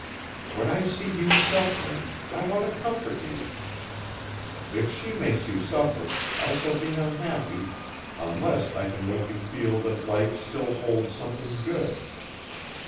When I see you suffering, I want to comfort you. If she makes you suffer, I shall be unhappy unless I can make you feel that life still holds something good.